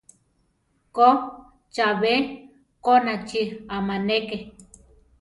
Ko, chabé konachi amáneke.